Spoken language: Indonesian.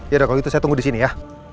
yaudah kalau gitu saya tunggu di sini ya